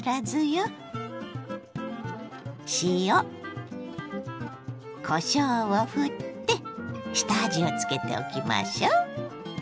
塩こしょうをふって下味をつけておきましょう。